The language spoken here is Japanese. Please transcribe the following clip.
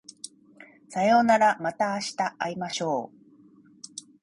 さようならまた明日会いましょう